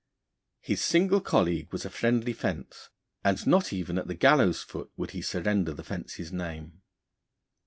His single colleague was a friendly fence, and not even at the gallows' foot would he surrender the fence's name.